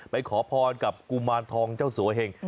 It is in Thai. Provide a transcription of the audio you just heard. ขอพรกับกุมารทองเจ้าสัวเหง